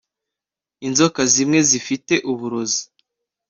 inzoka zimwe zifite uburozi